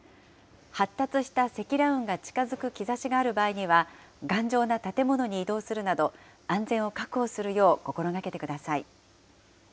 発達した積乱雲が近づく兆しがある場合には、頑丈な建物に移動するなど、安全を確保するよう心がけてください。